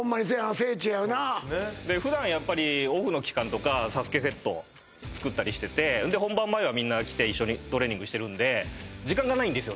聖地やなで普段やっぱりオフの期間とかＳＡＳＵＫＥセット作ったりしててで本番前はみんな来て一緒にトレーニングしてるんで時間がないんですよ